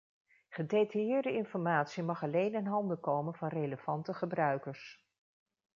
Gedetailleerde informatie mag alleen in handen komen van relevante gebruikers.